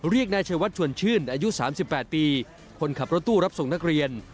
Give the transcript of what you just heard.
เรียกนายชายวัดชวนชื่นอายุ๓๘ปีคนขับรถตู้รับส่งนักเรียน